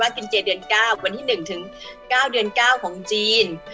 เก้าเดือน๙ของจีน